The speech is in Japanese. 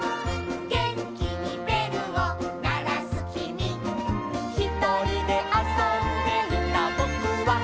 「げんきにべるをならすきみ」「ひとりであそんでいたぼくは」